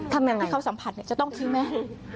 ทำยังไงให้เขาสัมผัสเนี่ยจะต้องกินไหม